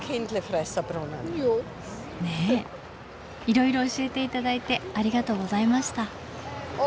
いろいろ教えて頂いてありがとうございました。